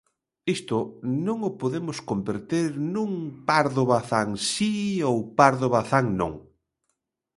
Isto non o podemos converter nun Pardo Bazán, si, ou Pardo Bazán, non.